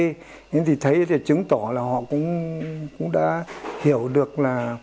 thế nhưng thì thấy thì chứng tỏ là họ cũng đã hiểu được là